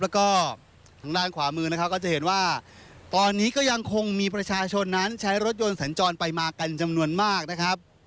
แล้วก็ทางด้านขวามือนะครับก็จะเห็นว่าตอนนี้ก็ยังคงมีประชาชนนั้นใช้รถยนต์สัญจรไปมากันจำนวนมากนะครับ